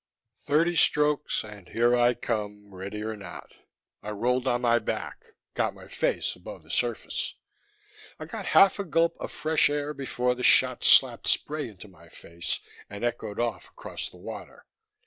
Thirty strokes, and here I come, ready or not. I rolled on my back, got my face above the surface. I got half a gulp of fresh air before the shot slapped spray into my face and echoed off across the water.